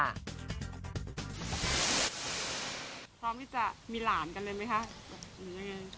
พร้อมที่จะมีหลานกันเลยไหมคะ